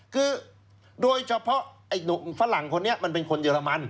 คือโดยเฉพาะไอ้หนุ่มฝรั่งคนนี้มันเป็นคนเรมัน